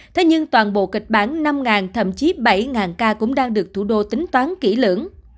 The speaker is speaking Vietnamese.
thế nhưng toàn bộ kịch bản năm thậm chí bảy ca cũng đang được thủ đô tính toán kỹ lưỡng